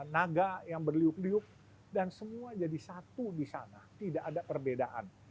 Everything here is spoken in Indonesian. naga yang berliup liuk dan semua jadi satu di sana tidak ada perbedaan